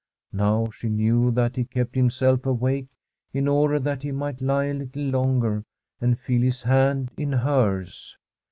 Now she knew that he kept himself awake in order that he might lie a little longer and feel his hand in hers.